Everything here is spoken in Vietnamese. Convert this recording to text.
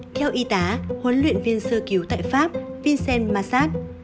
theo y tá huấn luyện viên sư cứu tại pháp vincent massat